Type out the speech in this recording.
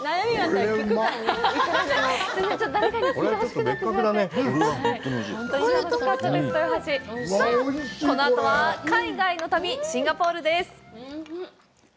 さあこのあとは、海外の旅、シンガポールです。